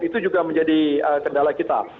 itu juga menjadi kendala kita